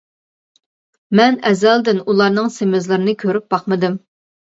مەن ئەزەلدىن ئۇلارنىڭ سېمىزلىرىنى كۆرۈپ باقمىدىم.